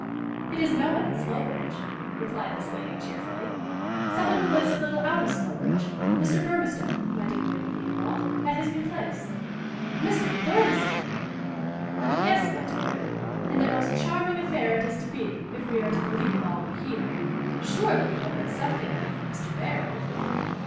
"It is no one in Slowbridge," replied this lady cheerfully. "Some one who lives a little out of Slowbridge, Mr. Burmistone, my dear Lady Theobald, at his new place." "Mr. Burmistone!" "Yes, my dear; and a most charming affair it is to be, if we are to believe all we hear. Surely you have heard something of it from Mr. Barold."